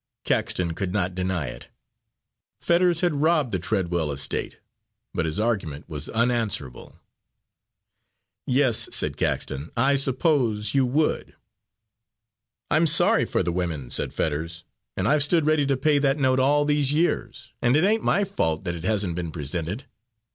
Caxton could not deny it. Fetters had robbed the Treadwell estate, but his argument was unanswerable. "Yes," said Caxton, "I suppose you would." "I'm sorry for the women," said Fetters, "and I've stood ready to pay that note all these years, and it ain't my fault that it hasn't been presented.